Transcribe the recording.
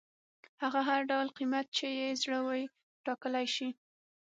هغه هر ډول قیمت چې یې زړه وي ټاکلی شي.